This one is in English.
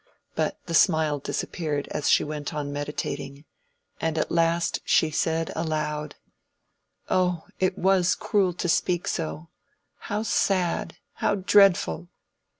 But the smile disappeared as she went on meditating, and at last she said aloud— "Oh, it was cruel to speak so! How sad—how dreadful!"